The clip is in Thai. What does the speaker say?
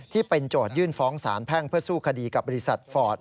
โจทยื่นฟ้องสารแพ่งเพื่อสู้คดีกับบริษัทฟอร์ต